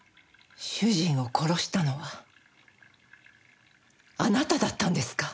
主人を殺したのはあなただったんですか？